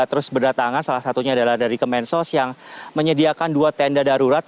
terus berdatangan salah satunya adalah dari kemensos yang menyediakan dua tenda darurat